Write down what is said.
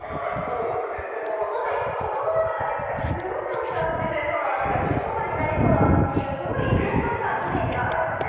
本当に子どもとかができたらすごい楽しく遊んでくれそうだなとかいいパパになりそうだなっていうすごい想像がイメージがあるので。